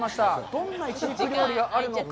どんないちじく料理があるのか。